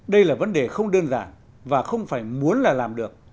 đây là vấn đề không đơn giản và không phải muốn là làm được